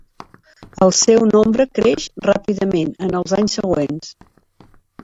El seu nombre creix ràpidament en els anys següents.